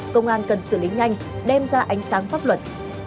công an cần xử lý nhanh đem ra ánh sáng pháp luật